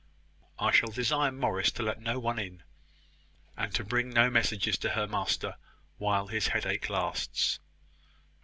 "I shall desire Morris to let no one in; and to bring no messages to her master while his headache lasts."